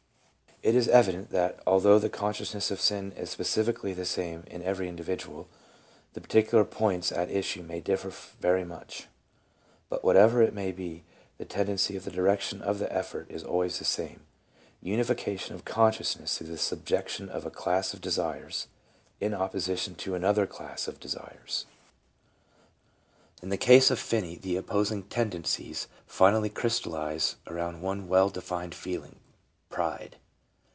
It is evident that although the consciousness of sin is spe cifically the same in every individual, the particular points at issue may differ very much. But whatever it may be, the tendency, or the direction of the effort, is always the same : unification of consciousness through the subjection of a class of desires in opposition to another class of desires. 330 LBUBA : In the case ol Finney the opposing tendencies finally crys tallize around one well defined feeling, pride.